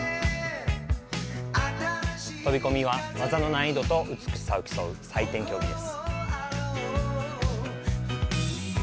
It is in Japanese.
飛込は技の難易度と美しさを競う採点競技です。